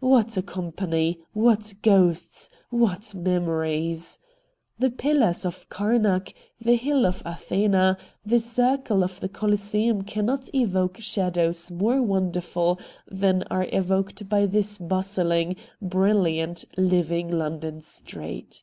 What a company — what ghosts — ^what memories ! The Pillars of Karnak, the Hill of Athena, the circle of the Coliseum cannot evoke shadows more wonder ful than are evoked by this bustling, brilliant, living London street.